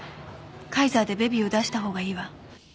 カイザーでベビーを出したほうがいいわ。